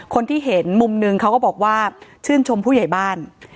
คนที่เห็นมุมหนึ่งเขาก็บอกว่าชื่นชมผู้ใหญ่บ้าน